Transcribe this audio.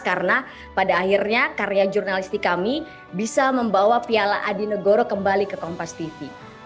karena pada akhirnya karya jurnalistik kami bisa membawa piala adi negoro kembali ke kompas tv